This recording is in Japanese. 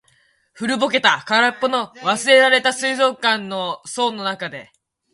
古ぼけた、空っぽの、忘れられた水族館の槽の中で。